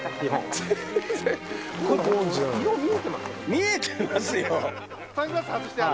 見えてますよ。